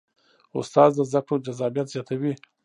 استاد د زده کړو جذابیت زیاتوي.